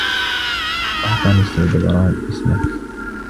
أعطاني السيد براون اسمَك.